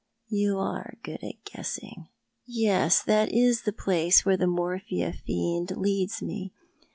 " You are good at guessing. Yes, that is the place where the morphia fiend leads me.